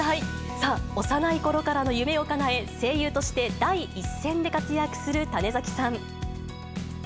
さあ、幼いころからの夢をかなえ、声優として第一線で活躍する種崎さん。